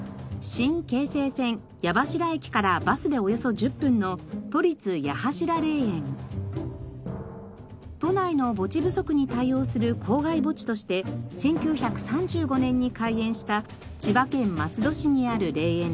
新京成線八柱駅からバスでおよそ１０分の都内の墓地不足に対応する郊外墓地として１９３５年に開園した千葉県松戸市にある霊園です。